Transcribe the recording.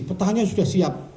pertanyaan sudah siap